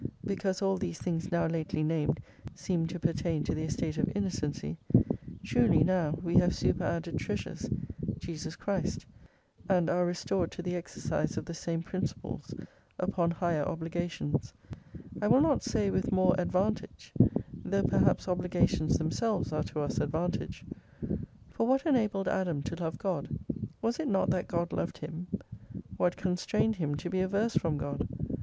be cause all these things now lately named seem to pertain to the estate of innocency ; truly now we have super added treasures, Jesus Christ, and are restored to the exercise of the same principles, upon higher obligations : I will not say with more advantage, though perhaps obligations themselves are to us advantage. For what enabled Adam to love God ? "Was it not that God loved him ? What constrained him to be averse from God